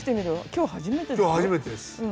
今日初めてです。